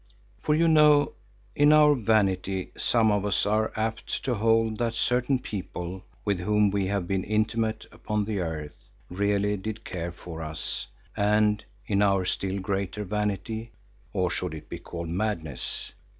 For you know, in our vanity some of us are apt to hold that certain people with whom we have been intimate upon the earth, really did care for us and, in our still greater vanity—or should it be called madness?